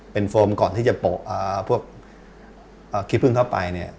เป็นโฟมก่อนที่จะปะผิดพึ่งเข้าไป